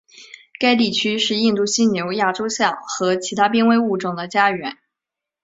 该地区是印度犀牛亚洲象和其他濒危物种的家园。